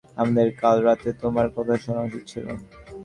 আমাদের কাল রাতে তোর কথা শোনা উচিত ছিল।